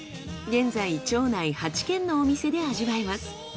現在町内８軒のお店で味わえます。